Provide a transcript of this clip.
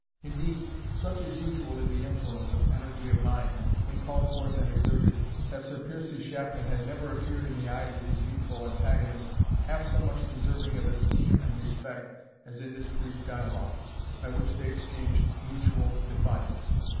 Indeed, such is usually the influence of energy of mind, when called forth and exerted, that Sir Piercie Shafton had never appeared in the eyes of his youthful antagonist half so much deserving of esteem and respect as in this brief dialogue, by which they exchanged mutual defiance.